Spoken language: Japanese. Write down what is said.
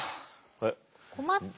困った？